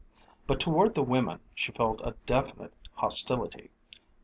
But toward the women she felt a definite hostility.